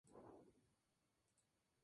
Cartas a mi familia".